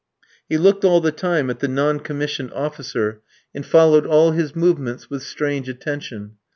He looked all the time at the non commissioned officer, and followed all his movements with strange attention.